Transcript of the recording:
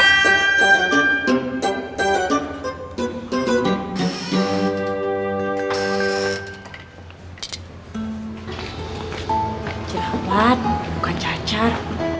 kecewat bukan cacar